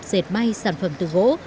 dệt may sản phẩm từ gỗ